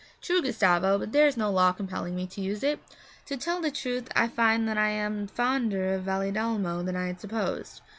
'True, Gustavo, but there is no law compelling me to use it. To tell the truth I find that I am fonder of Valedolmo than I had supposed.